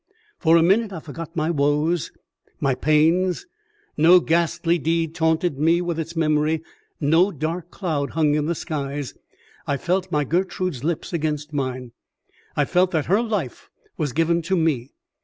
For a minute I forgot my woes, my pains. No ghastly deed taunted me with its memory, no dark cloud hung in the skies. I felt my Gertrude's lips against mine; I felt that her life was given to me.